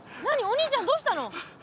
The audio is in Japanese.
お兄ちゃんどうしたの？